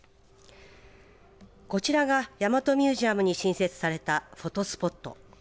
こちらが大和ミュージアムに新設されたフォトスポット。